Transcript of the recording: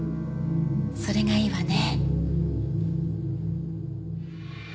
それがいいわね。